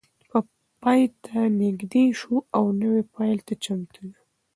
پای ته نږدې شو او نوی پیل ته چمتو یو.